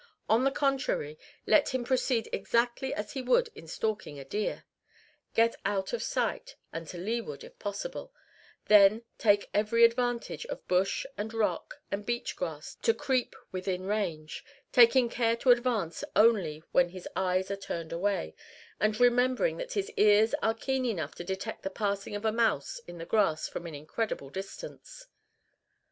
On the contrary, let him proceed exactly as he would in stalking a deer: get out of sight, and to leeward, if possible; then take every advantage of bush and rock and beach grass to creep within range, taking care to advance only when his eyes are turned away, and remembering that his ears are keen enough to detect the passing of a mouse in the grass from an incredible distance.